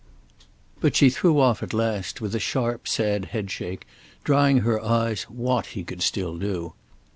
But she threw off at last, with a sharp sad headshake, drying her eyes, what he could still do.